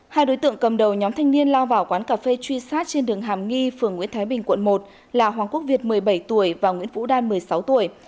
hai đối tượng cầm đầu nhóm thanh niên lao vào quán cà phê truy sát trên đường hàm nghi phường nguyễn thái bình quận một là hoàng quốc việt một mươi bảy tuổi và nguyễn vũ đan một mươi sáu tuổi